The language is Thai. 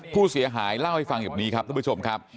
ผู้เสียหายเล่าให้ฟังแบบนี้ครับท่านผู้ชมครับ